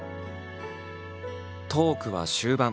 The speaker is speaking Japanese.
トークは終盤。